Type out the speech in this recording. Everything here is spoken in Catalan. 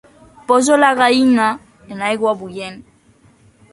Poso la gallina en aigua bullent.